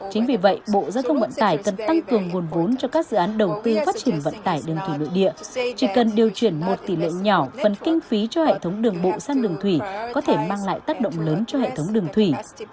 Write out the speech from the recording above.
chính vì vậy bộ giao thông vận tải cần tăng cường nguồn vốn cho các dự án đầu tư phát triển vận tải đường thủy nội địa chỉ cần điều chuyển một tỷ lệ nhỏ phần kinh phí cho hệ thống đường bộ sang đường thủy có thể mang lại tác động lớn cho hệ thống đường thủy